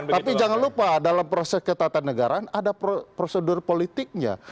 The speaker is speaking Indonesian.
tapi jangan lupa dalam proses ketatanegaraan ada prosedur politiknya